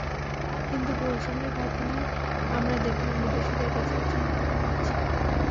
কিন্তু গুলশানের ঘটনায় আমরা দেখলাম বিদেশিদের বেছে বেছে হত্যা করা হয়েছে।